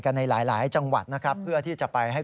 กรณีนี้ทางด้านของประธานกรกฎาได้ออกมาพูดแล้ว